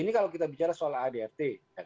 ini kalau kita bicara soal adrt